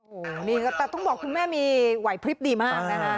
โอ้โหนี่แต่ต้องบอกคุณแม่มีไหวพลิบดีมากนะฮะ